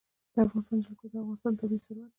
د افغانستان جلکو د افغانستان طبعي ثروت دی.